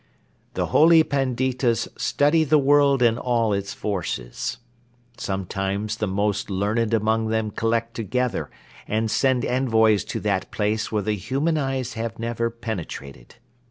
"The Holy Panditas study the world and all its forces. Sometimes the most learned among them collect together and send envoys to that place where the human eyes have never penetrated.